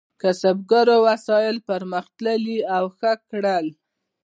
کسبګرو وسایل پرمختللي او ښه کړل.